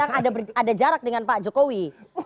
bahwa sedang ada jarak dengan pak jokowi